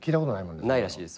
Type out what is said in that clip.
ないらしいです